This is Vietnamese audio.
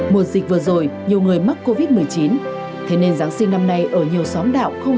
mùa dịch vừa rồi nhiều người mắc covid một mươi chín thế nên giáng sinh năm nay ở nhiều xóm đạo không